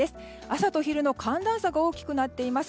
朝と昼の寒暖差が大きくなっています。